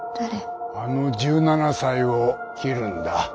あの１７才を切るんだ。